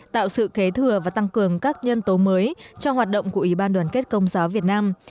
tạo sự kế thừa và tăng cường các nhân tố mới cho hoạt động của ủy ban đoàn kết công giáo việt nam